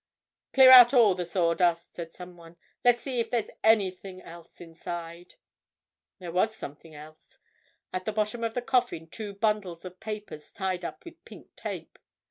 "Clear out all the sawdust," said some one. "Let's see if there's anything else." There was something else. At the bottom of the coffin two bundles of papers, tied up with pink tape.